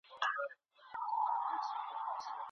ولې ځايي واردوونکي کرنیز ماشین الات له چین څخه واردوي؟